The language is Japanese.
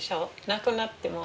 なくなっても。